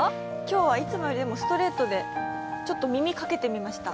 いつもよりストレートでちょっと耳かけてみました。